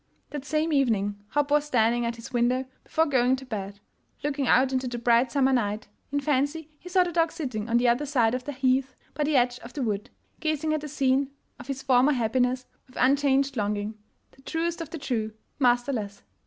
That same evening Hopp was standing at his window before going to bed, looking out into the bright summer night. In fancy he saw the dog sitting on the other side of the heath by the edge of the wood, gazing at the scene of his former happiness with unchanged longing — the truest of the true, masterless